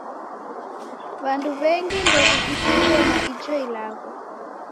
W'andu w'engu ndew'idikie na ijo ilagho.